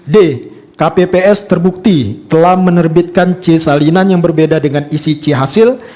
d kpps terbukti telah menerbitkan c salinan yang berbeda dengan isi c hasil